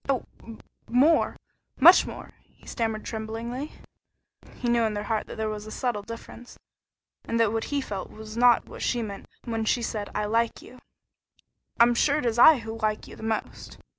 "Oh, more! Much more!" he stammered tremblingly. He knew in his heart that there was a subtle difference, and that what he felt was not what she meant when she said, "I like you." "I'm sure it is I who like you the most."